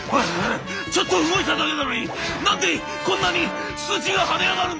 ちょっと動いただけなのに何でこんなに数値が跳ね上がるんだ？」。